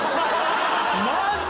マジ？